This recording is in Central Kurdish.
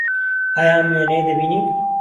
ئایا ئەم وێنەیە دەبینی؟